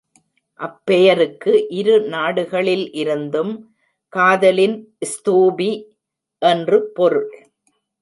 அப் பெயருக்கு "இரு நாடுகளில் இருந்தும் காதலின் ஸ்தூபி" என்று பொருள்.